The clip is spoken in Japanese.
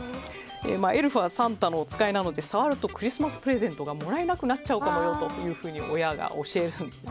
エルフはサンタの使いなので触るとクリスマスプレゼントがもらえなくなっちゃうかもよと親が教えるんです。